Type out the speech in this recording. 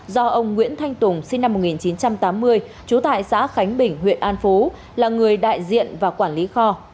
do ông nguyễn thanh tùng sinh năm một nghìn chín trăm tám mươi trú tại xã khánh bình huyện an phú là người đại diện và quản lý kho